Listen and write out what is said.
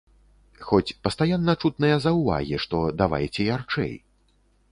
Хоць пастаянна чутныя заўвагі, што давайце ярчэй.